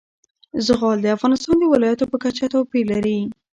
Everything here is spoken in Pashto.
زغال د افغانستان د ولایاتو په کچه توپیر لري.